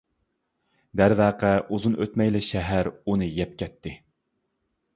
دەرۋەقە ئۇزۇن ئۆتمەيلا شەھەر ئۇنى يەپ كەتتى.